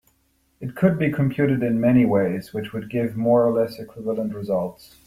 It could be computed in many ways which would give more or less equivalent results.